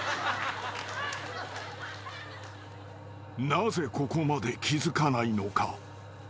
［なぜここまで気付かないのか？］